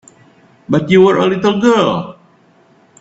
But you were a little girl.